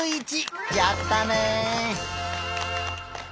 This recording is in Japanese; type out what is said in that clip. やったね！